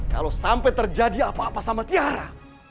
kalau sampai terjadi apa apa sama tiara